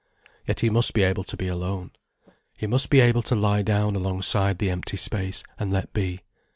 Yet he must be able to be alone. He must be able to lie down alongside the empty space, and let be.